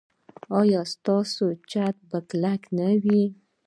ایا ستاسو چت به کلک نه وي؟